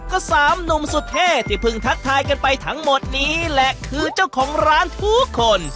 ก็สามหนุ่มสุดเท่ที่เพิ่งทักทายกันไปทั้งหมดนี้แหละคือเจ้าของร้านทุกคน